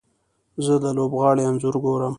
زه د لوبغاړي انځور ګورم.